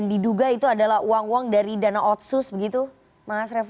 diduga itu adalah uang uang dari dana otsus begitu mas revo